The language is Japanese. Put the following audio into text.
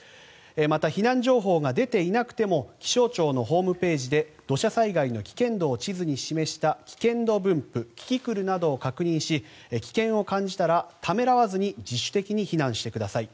また、避難情報が出ていなくても気象庁のホームページで土砂災害の危険度を地図に示した危険度分布キキクルなどを確認し、危険を感じたらためらわずに自主的に避難してください。